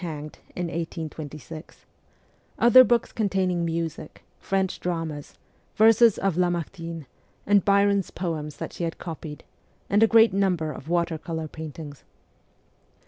hanged in 1826 ; other books containing music, French dramas, verses of CHILDHOOD 16 Lamartine, and Byron's poems that she had copied ; and a great number of water colour paintings.